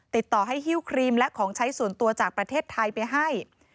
ติดต่อให้ฮิ้วครีมและของใช้ส่วนตัวจากประเทศไทยไปให้